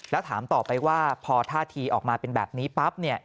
แล้วถามต่อไปว่าพอท่าทีออกมาเป็นแบบนี้ปั๊บเนี่ย